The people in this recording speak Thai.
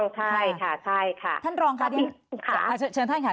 ถูกต้องใช่ค่ะใช่ค่ะ